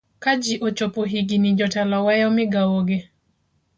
ka ji ochopo higini jotelo weyo migawogi